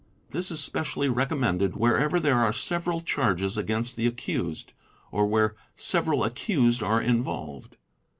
This is specially recommended wherever there are several charges against the accused, or where several accused are involved.